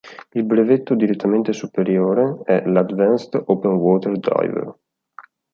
Il brevetto direttamente superiore è l"'Advanced open-water diver".